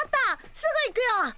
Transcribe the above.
すぐ行くよ！